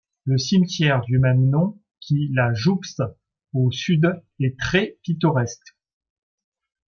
Le cimetière du même nom qui la jouxte au sud est très pittoresque.